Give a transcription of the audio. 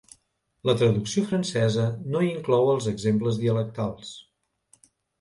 La traducció francesa no inclou els exemples dialectals.